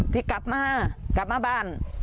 ที่กลับมากลับมาบ้าน